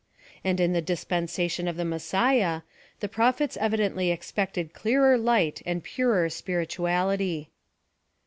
And in the dispensation of the Messiah, the prophets evidently expected clearer light and purer spirituality.